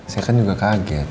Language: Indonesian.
saya kan juga kaget